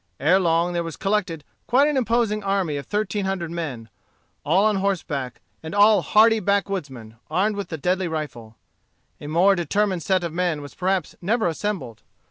Ere long there was collected quite an imposing army of thirteen hundred men, all on horseback, and all hardy backwoodsmen, armed with the deadly rifle. A more determined set of men was perhaps never assembled.